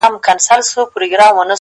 چي زه تورنه ته تورن سې گرانه ؛